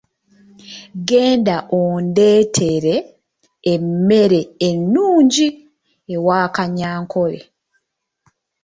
Genda ondeetere emmere ennungi ewa Kanyankole.